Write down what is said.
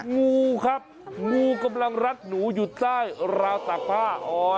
งูครับงูกำลังรัดหนูอยู่ใต้ราวตากผ้า